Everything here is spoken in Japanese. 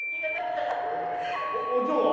お嬢は？